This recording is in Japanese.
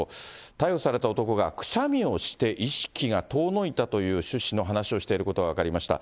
逮捕された男がくしゃみをして意識が遠のいたという趣旨の話をしていることが分かりました。